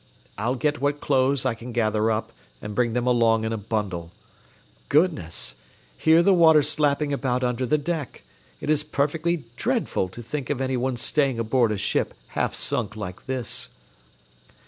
I'll get what clothes I can gather up, and bring them along in a bundle. Goodness! hear the water slapping about under the deck; it is perfectly dreadful to think of any one staying aboard a ship half sunk like this."